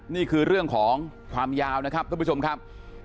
นี่คือเรื่องของความยาวนะครับท่านผู้ชมครับ